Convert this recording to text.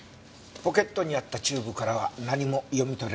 ポケットにあったチューブからは何も読み取れなかった。